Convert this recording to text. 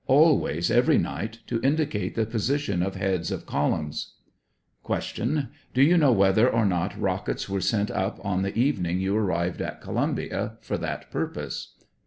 Always every night, to indicate the position of heads of columns. Q. Do you know whether or not rockets were sent up on the evening you arrived at Columbia, for that purpose